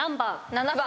７番。